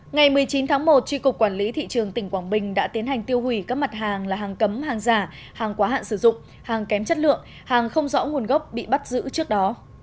ngày một mươi chín tháng một tri cục quản lý thị trường tỉnh quảng bình đã tiến hành tiêu hủy các mặt hàng là hàng cấm hàng giả hàng quá hạn sử dụng hàng kém chất lượng hàng không rõ nguồn gốc bị bắt giữ trước đó